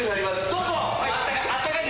どうぞ！